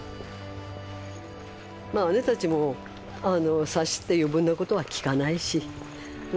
まあ姉たちも察して余分なことは聞かないし。